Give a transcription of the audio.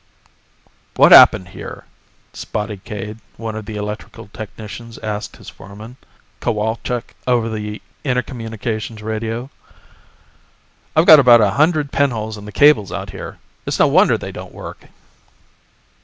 "What happened here?" Spotty Cade, one of the electrical technicians asked his foreman, Cowalczk, over the intercommunications radio. "I've got about a hundred pinholes in the cables out here. It's no wonder they don't work."